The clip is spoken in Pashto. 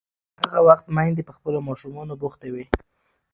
هغه وخت میندې په خپلو ماشومانو بوختې وې.